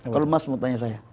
kalau mas mau tanya saya